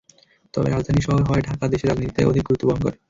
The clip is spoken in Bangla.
তবে রাজধানী শহর হওয়ায় ঢাকা দেশের রাজনীতিতে অধিক গুরুত্ব বহন করে।